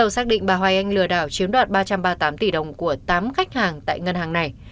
xác định bà hoài anh lừa đảo chiếm đoạt ba trăm ba mươi tám tỷ đồng của tám khách hàng tại ngân hàng này